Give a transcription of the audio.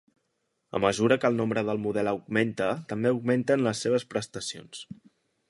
A mesura que el nombre del model augmenta també augmenten les seves prestacions.